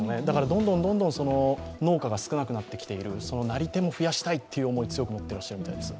どんどん農家が少なくなってきている、なり手も増やしたいという思いも持っていらっしゃるそうです。